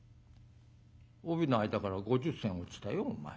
帯の間から５０銭落ちたよお前。